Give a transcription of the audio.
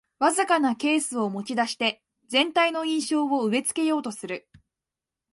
わずかなケースを持ちだして全体の印象を植え付けようとする